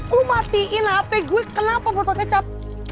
lu matiin hp gue kenapa butuh kecap